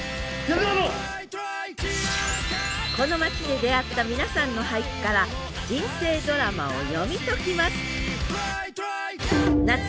この町で出会った皆さんの俳句から人生ドラマを読み解きます